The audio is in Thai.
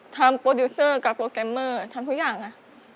โปรดิวเซอร์กับโปรแกรมเมอร์ทำทุกอย่างค่ะ